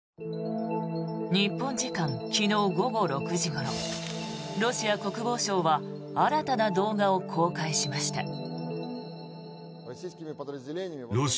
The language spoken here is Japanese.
日本時間昨日午後６時ごろロシア国防省は新たな動画を公開しました。